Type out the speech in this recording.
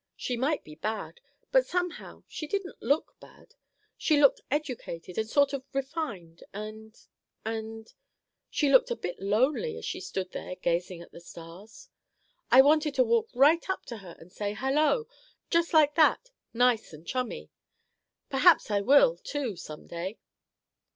She might be bad, but somehow she didn't look bad. She looked educated and sort of refined and—and—she looked a bit lonely as she stood there gazing at the stars. I wanted to walk right up to her and say 'Hello!' just like that, nice and chummy. Perhaps I will, too, some day.